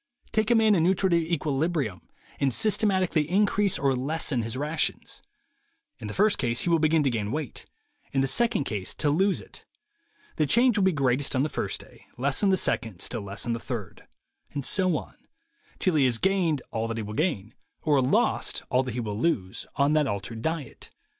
Take a man in nutritive equili 140 THE WAY TO WILL POWER brium, and systematically increase or lessen his rations. In the first case he will begin to gain weight, in the second case to lose it. The change will be greatest on the first day, less on the second, still less on the third; and so on, till he has gained all that he will gain, or lost all that he will lose, on that altered diet.